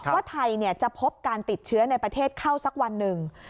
ว่าไทยจะพบการติดเชื้อในประเทศเข้าสักวันหนึ่ง